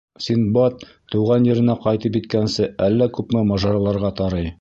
Синдбад тыуған еренә ҡайтып еткәнсе әллә күпме мажараларға тарый.